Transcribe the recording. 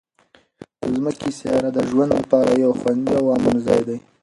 د ځمکې سیاره د ژوند لپاره یو خوندي او امن ځای دی.